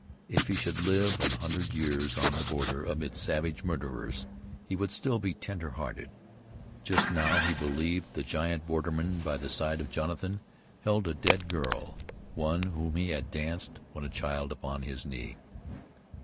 If he should live an hundred years on the border amid savage murderers, he would still be tender hearted. Just now he believed the giant borderman by the side of Jonathan held a dead girl, one whom he had danced, when a child, upon his knee.